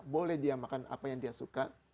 boleh dia makan apa yang dia suka